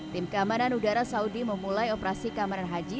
tim kamanan udara saudi memulai operasi kamaran haji